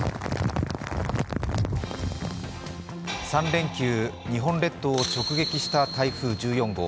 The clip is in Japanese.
３連休、日本列島を直撃した台風１４号。